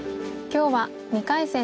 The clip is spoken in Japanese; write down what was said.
今日は２回戦